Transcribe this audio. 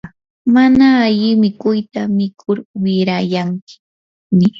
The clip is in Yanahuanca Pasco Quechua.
mana alli mikuyta mikur wirayanchikmi.